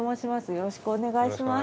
よろしくお願いします。